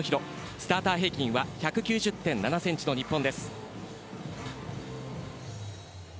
スターター平均は１９０．７ｃｍの日本。